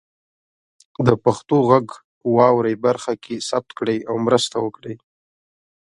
د پښتو غږ واورئ برخه کې ثبت کړئ او مرسته وکړئ.